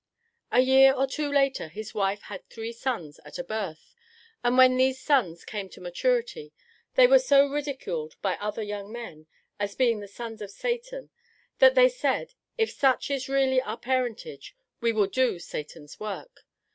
A year or two later his wife had three sons at a birth, and when these sons came to maturity, they were so ridiculed by other young men, as being the sons of Satan, that they said, "If such is really our parentage, we will do Satan's work."